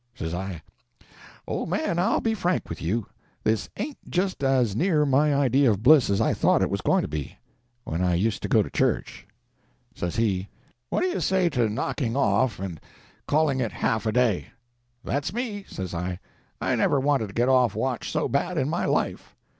Says I, "Old man, I'll be frank with you. This ain't just as near my idea of bliss as I thought it was going to be, when I used to go to church." Says he, "What do you say to knocking off and calling it half a day?" "That's me," says I. "I never wanted to get off watch so bad in my life."